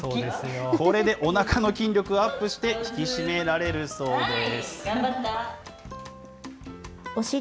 これでおなかの筋力をアップして、引き締められるそうです。